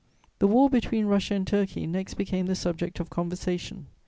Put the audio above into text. "The war between Russia and Turkey next became the subject of conversation.